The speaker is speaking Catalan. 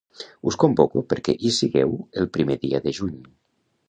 Us convoco perquè hi sigueu el primer dia de juny.